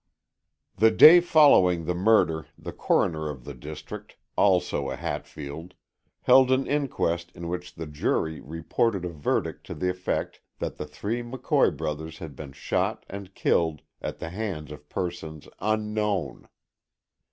" The day following the murder the coroner of the district, also a Hatfield, held an inquest in which the jury reported a verdict to the effect that the three McCoy brothers had been shot and killed at the hands of persons unknown.